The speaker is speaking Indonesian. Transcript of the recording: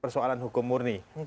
persoalan hukum murni